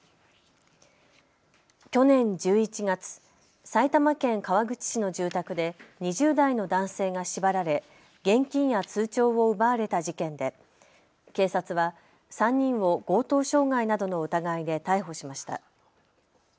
去年１１月、埼玉県川口市の住宅で２０代の男性が縛られ現金や通帳を奪われた事件で警察は３人を強盗傷害などの疑いで逮捕しました。